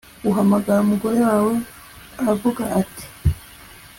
ahamagara umugore we aravuga ati